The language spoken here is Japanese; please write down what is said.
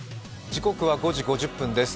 時刻は５時５０分です。